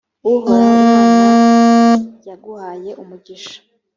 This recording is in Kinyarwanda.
uhoraho imana yawe yaguhaye umugisha